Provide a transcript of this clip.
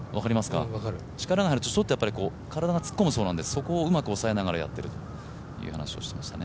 力が入るとちょっと体が突っ込むそうなんでそこをうまく押さえながらやっているという話をしていました。